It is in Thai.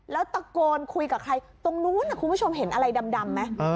แล้วตะโกนคุยกับใครตรงนู้นคุณผู้ชมเห็นอะไรดำไหม